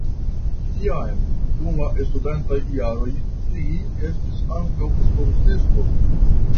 Jam dum la studentaj jaroj li estis ankaŭ sportisto.